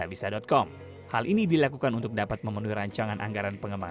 pada tahun dua ribu dua puluh pesawat r delapan puluh akan memiliki kekuatan yang sangat menarik